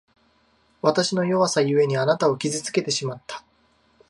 わたしの弱さゆえに、あなたを傷つけてしまった。